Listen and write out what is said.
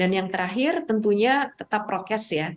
dan yang terakhir tentunya tetap prokes ya